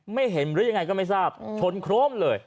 ไม่เห็นหรือยังไงก็ไม่ทราบชนโครมเลย